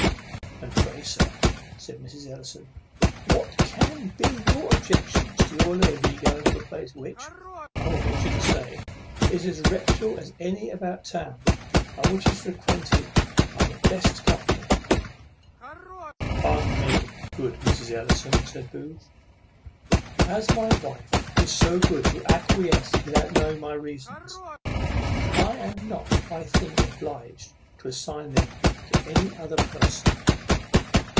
"And pray, sir," cries Mrs. Ellison, "what can be your objection to your lady's going to a place which, I will venture to say, is as reputable as any about town, and which is frequented by the best company?" "Pardon me, good Mrs. Ellison," said Booth: "as my wife is so good to acquiesce without knowing my reasons, I am not, I think, obliged to assign them to any other person."